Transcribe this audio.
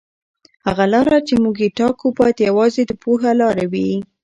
هغه لاره چې موږ یې ټاکو باید یوازې د پوهې لاره وي.